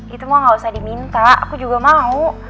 itu mah gak usah diminta aku juga mau